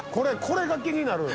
これが気になる。